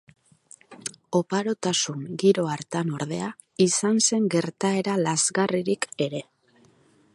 Oparotasun giro hartan ordea izan zen gertaera lazgarririk ere.